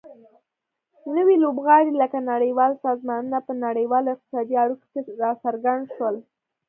نوي لوبغاړي لکه نړیوال سازمانونه په نړیوالو اقتصادي اړیکو کې راڅرګند شول